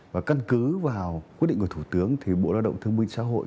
và căn cứ vào quyết định của thủ tướng thì bộ lao động thương minh xã hội